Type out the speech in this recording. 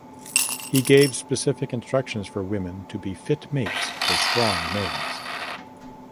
He gave specific instructions for women to be fit mates for strong males.